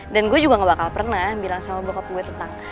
dan gue juga gak bakal pernah bilang sama bokap gue tentang